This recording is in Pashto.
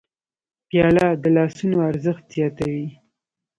پیاله د لاسونو ارزښت زیاتوي.